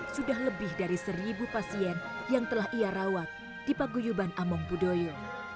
sudah lebih dari seribu pasien yang telah ia rawat di paguyuban among budoyo